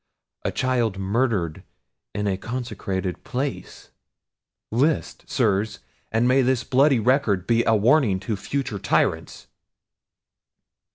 a child murdered in a consecrated place? List, sirs, and may this bloody record be a warning to future tyrants!"